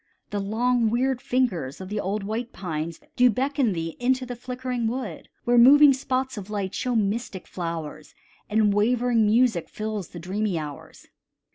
The long, weird fingers of the old white pines Do beckon thee into the flickering wood, Where moving spots of light show mystic flowers, And wavering music fills the dreamy hours.